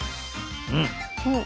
うん。